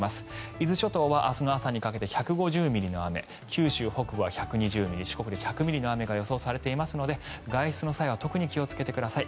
伊豆諸島は明日朝にかけて１５０ミリの雨九州北部は１２０ミリ四国で１００ミリの雨が予想されていますので外出の際は特に気をつけてください。